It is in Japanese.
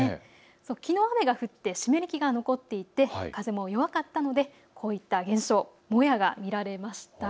きのう雨が降って湿り気が残っていて風も弱かったのでこういった現象、もやが見られました。